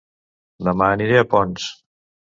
Dema aniré a Ponts